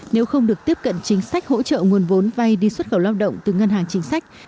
nếu không được tiếp cận chính sách hỗ trợ nguồn vốn vay đi xuất khẩu lao động từ ngân hàng chính sách